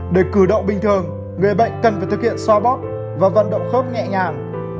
để cử động bình thường người bệnh cần phải thực hiện xoa bóp và vận động khớp nhẹ nhàng